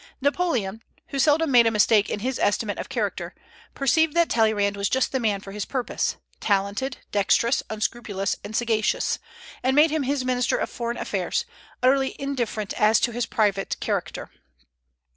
Napoleon, who seldom made a mistake in his estimate of character, perceived that Talleyrand was just the man for his purpose, talented, dexterous, unscrupulous, and sagacious, and made him his minister of foreign affairs, utterly indifferent as to his private character.